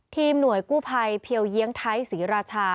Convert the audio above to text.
หน่วยกู้ภัยเพียวเยียงไทยศรีราชา